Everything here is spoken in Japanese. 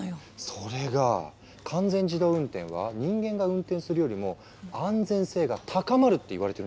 それが完全自動運転は人間が運転するよりも安全性が高まるっていわれてるんです。